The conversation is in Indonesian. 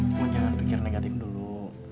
cuma jangan pikir negatif dulu